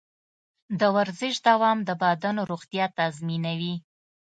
د ورزش دوام د بدن روغتیا تضمینوي.